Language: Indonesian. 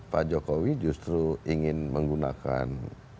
pak jokowi justru ingin menggunakan